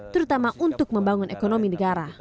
terutama untuk membangun ekonomi negara